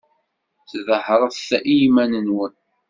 Sḍehret i yiman-nwen.